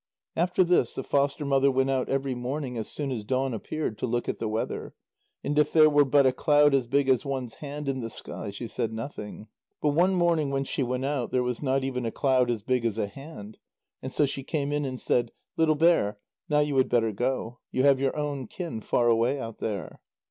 After this, the foster mother went out every morning as soon as dawn appeared, to look at the weather, and if there were but a cloud as big as one's hand in the sky, she said nothing. But one morning when she went out, there was not even a cloud as big as a hand, and so she came in and said: "Little bear, now you had better go; you have your own kin far away out there."